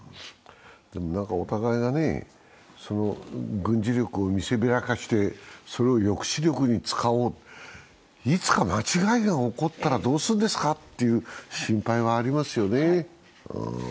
お互いが軍事力を見せびらかしてそれを抑止力に使おういつか間違いが起こったらどうするんですかという心配がありますよね。